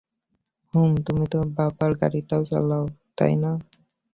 হুম, তুমি তো বাবার গাড়িটা চালাও, তাই না?